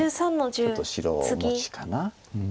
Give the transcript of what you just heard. ちょっと白持ちかな。